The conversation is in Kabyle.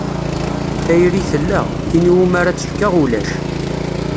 Tayri tella, tin iwumi ara tt-fkeɣ ulac.